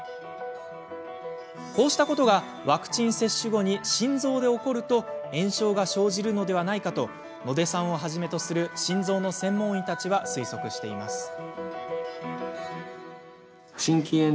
こうしたことがワクチン接種後に心臓で起こると炎症が生じるのではないかと野出さんをはじめとする心臓の専門医たちは推測しています。